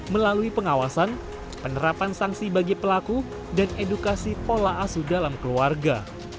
melalui pengawasan penerapan sanksi bagi pelaku dan edukasi pola asu dalam keluarga